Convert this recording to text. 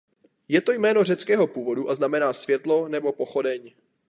Je to jméno řeckého původu a znamená „světlo“ nebo „pochodeň“.